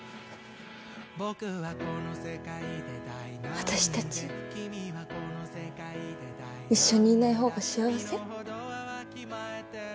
私たち一緒にいない方が幸せ？